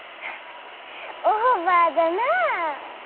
オーバーだなあ。